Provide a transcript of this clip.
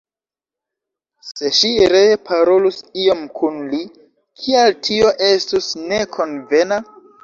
Se ŝi ree parolus iom kun li, kial tio estus ne konvena?